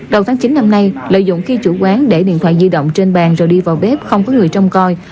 đầu tháng chín năm nay lợi dụng khi chủ quán để điện thoại di động trên bàn rồi đi vào bếp không có người trông coi